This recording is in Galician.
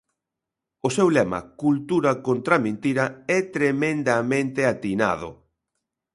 O seu lema Cultura contra a Mentira é tremendamente atinado.